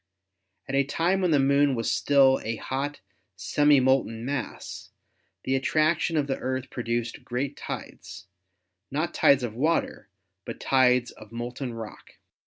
At a time when the Moon was still a hot, semi molten mass, the attraction of the Earth produced great tides, not tides of water, but tides of molten rock.